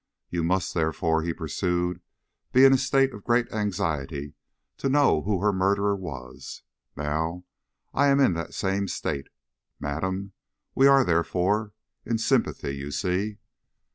"You must, therefore," he pursued, "be in a state of great anxiety to know who her murderer was. Now, I am in that same state, madam; we are, therefore, in sympathy, you see."